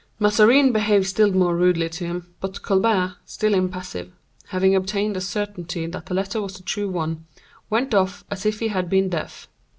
Mazarin behaved still more rudely to him, but Colbert, still impassible, having obtained a certainty that the letter was the true one, went off as if he had been deaf.